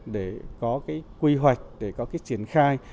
để có quy hoạch để có triển khai